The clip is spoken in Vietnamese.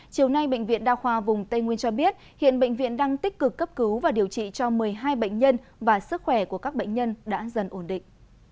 chiều nay bệnh viện đa khoa vùng tây nguyên cho biết hiện bệnh viện đang tích cực cấp cứu và điều trị cho một mươi hai bệnh nhân và sức khỏe của các bệnh nhân đã dần ổn định